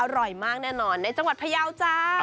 อร่อยมากแน่นอนในจังหวัดพยาวจ้า